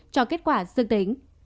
cho kết quả dương tính